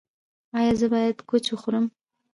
ایا زه باید کوچ وخورم؟